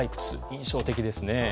印象的ですね。